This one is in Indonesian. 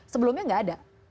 sebelumnya nggak ada